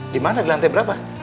dimana di lantai berapa